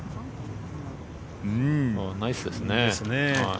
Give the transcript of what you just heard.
ナイスですね。